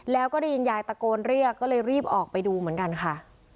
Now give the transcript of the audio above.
แล้วก็ได้ยินยายตะโกนเรียกก็เลยรีบออกไปดูเหมือนกันค่ะ